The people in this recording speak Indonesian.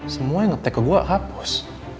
semua yang nge tag ke gue hapus